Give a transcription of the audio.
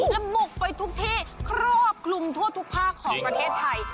และบุกไปทุกที่ครอบคลุมทั่วทุกภาคของประเทศไทย